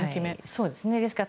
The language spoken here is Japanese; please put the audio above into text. そうですね。